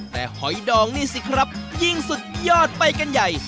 แต่หอยดองนี่สิครับยิ่งสุดยอดไปกันใหญ่